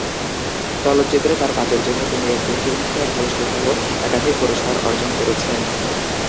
চলচ্চিত্রে তার কাজের জন্য তিনি একটি ফিল্মফেয়ার পুরস্কারসহ একাধিক পুরস্কার অর্জন করেছেন।